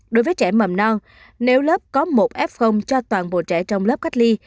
đối với trẻ mầm non nếu lớp có một f cho toàn bộ trẻ trong lớp cách ly